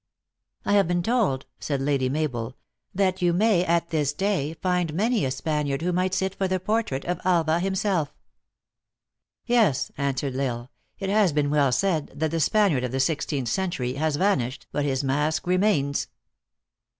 " I have been told," said Lady Mabel," that you may, at this day, find many a Spaniard who might sit for the portrait of Alva himself." " Yes," answered L Isle, " It has been well said THE ACTRESS IN HIGH LIFE. 801 that the Spaniard of the sixteenth century has vanish ed, but his mask remains."